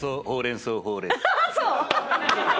そう！